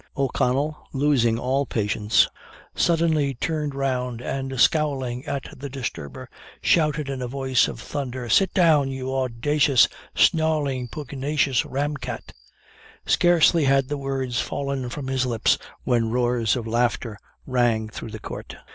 O'Connell, losing all patience, suddenly turned round, and, scowling at the disturber, shouted in a voice of thunder 'Sit down, you audacious, snarling, pugnacious ram cat.' Scarcely had the words fallen from his lips, when roars of laughter rang through the court.